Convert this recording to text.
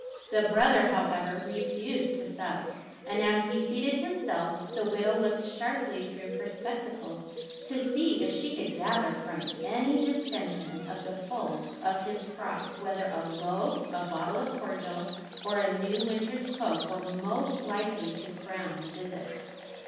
The brother, however, refused to sup; and as he seated himself the widow looked sharply through her spectacles to see if she could gather from any distention of the folds of his frock whether a loaf, a bottle of cordial, or a new winter's cloak were most likely to crown the visit.